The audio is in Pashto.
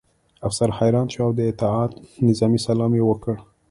افسر حیران شو او د اطاعت نظامي سلام یې وکړ